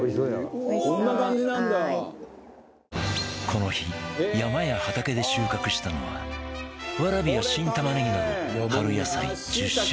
この日山や畑で収穫したのはわらびや新玉ねぎなど春野菜１０種類